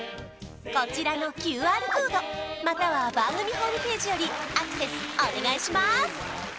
こちらのＱＲコードまたは番組ホームページよりアクセスお願いします